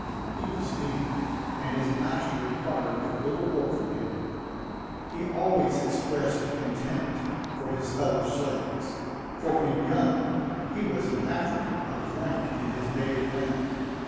He was feeble, and his master required but little work from him. He always expressed contempt for his fellow slaves, for when young, he was an African of rank in his native land.